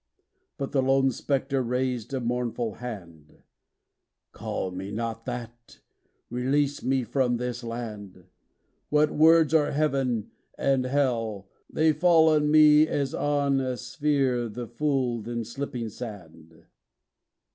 But the lone spectre raised a mournful hand: 'Call me not that! Release me from this land! What words are Heaven and Hell? They fall on me As on a sphere the fooled and slipping sand.